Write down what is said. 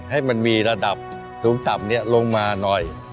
ให้มันมีระดับสูงต่ำลงมาหน่อย